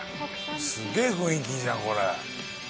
すっげえ雰囲気いいじゃん、これ。